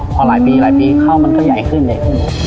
พอหลายปีข้าวมันก็ใหญ่ขึ้นเลย